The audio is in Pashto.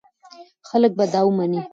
خلک به دا ومني.